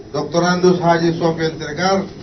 dr randus haji sofian siregar